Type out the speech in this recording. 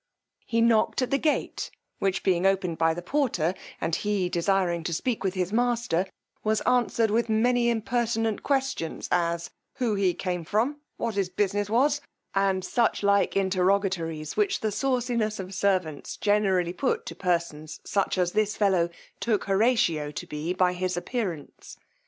He knocked at the gate, which being opened by the porter, and he desiring to speak with his master, was answered with many impertinent questions, as who he came from, what his business was, and such like interrogatories which the sawciness of servants generally put to persons such as this fellow took Horatio to be by his appearance.